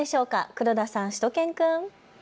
黒田さん、しゅと犬くん。